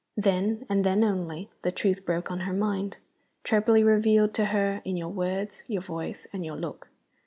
Then (and then only) the truth broke on her mind, trebly revealed to her in your words, your voice, and your look.